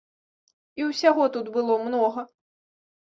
І ўсяго тут было многа.